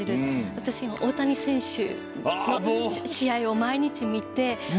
私、今、大谷選手の試合を毎日見て。